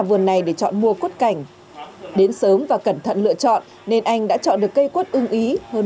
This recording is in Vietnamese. vườn này để chọn mua quất cảnh đến sớm và cẩn thận lựa chọn nên anh đã chọn được cây quất ưng ý hơn